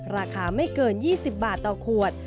ราคาไม่เกิน๒๐บาทต่อขวด